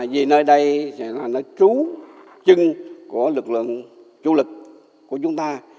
vì nơi đây là trú chân của lực lượng du lịch của chúng ta